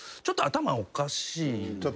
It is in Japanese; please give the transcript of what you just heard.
ちょっと頭おかしい。